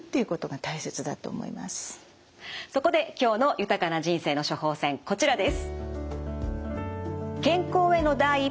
そこで今日の豊かな人生の処方せんこちらです。